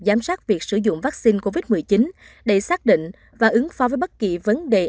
giám sát việc sử dụng vaccine covid một mươi chín để xác định và ứng phó với bất kỳ vấn đề